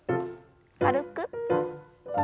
軽く。